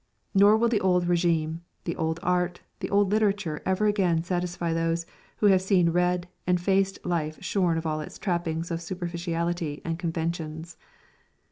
Nor will the old régime, the old art, the old literature ever again satisfy those who have seen red and faced life shorn of its trappings of superficiality and conventions.